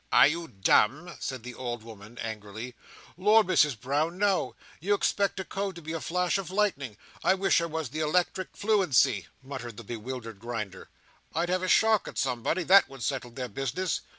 "Are you dumb?" said the old woman, angrily. "Lord, Misses Brown, no! You expect a cove to be a flash of lightning. I wish I was the electric fluency," muttered the bewildered Grinder. "I'd have a shock at somebody, that would settle their business."